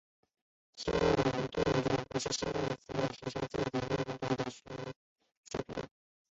坦伯顿爵士希望以此来提升英国管理学的水平。